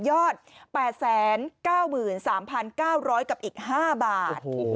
ยอดแปดแสนเก้าหมื่นสามพันเก้าร้อยกับอีกห้าบาท